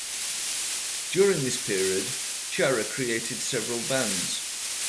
During this period, Chara created several bands.